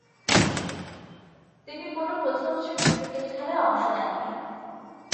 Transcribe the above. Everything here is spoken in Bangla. তিনি কোন প্রথম-শ্রেণীর ক্রিকেট খেলায় অংশ নেননি।